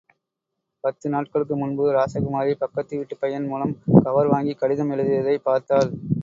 பத்து நாட்களுக்கு முன்பு ராசகுமாரி பக்கத்து வீட்டுப் பையன் மூலம் கவர் வாங்கிக் கடிதம் எழுதியதைப் பார்த்தாள்.